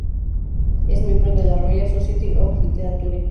Es miembro de la Royal Society of Literature.